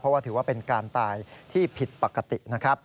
เพราะว่าถือว่าเป็นการตายที่ผิดปกตินะครับ